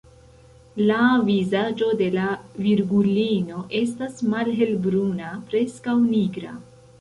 La vizaĝo de la Virgulino estas malhelbruna, preskaŭ nigra.